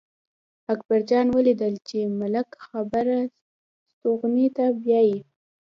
اکبر جان ولیدل چې ملک خبره ستوغې ته بیايي.